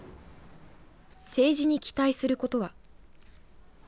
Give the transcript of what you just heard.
政治に期待することは。